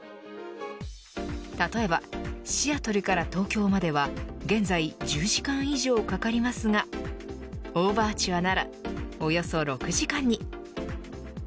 例えばシアトルから東京までは現在、１０時間以上かかりますがオーバーチュアならおよそ６時間に。